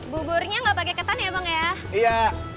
buburnya enggak pakai ketan ya iya